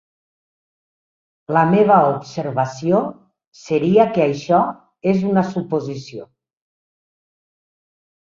La meva observació seria que això és una suposició.